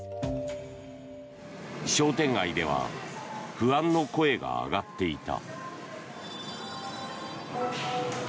商店街では不安の声が上がっていた。